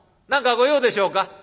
何か御用でしょうか？」。